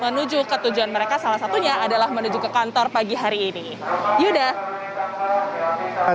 menuju ke tujuan mereka salah satunya adalah menuju ke kantor pagi hari ini yuda